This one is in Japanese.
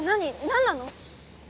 何なの？